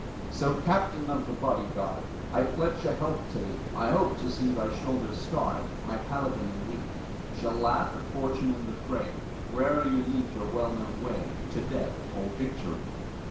So, Captain of the Body Guard, I pledge a health to thee! I hope to see thy shoulders starred, My Paladin; and we Shall laugh at fortune in the fray Whene'er you lead your well known way To death or victory!